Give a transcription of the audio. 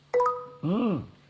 うん。